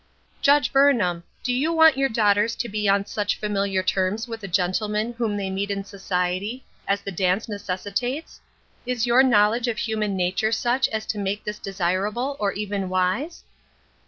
"Judge Burnham, do you want your daughters to be on such familiar terms with the gentlemen whom they meet in society, as the dance necessi tates ? Is your knowledge of human nature such as to make this desirable, or even wise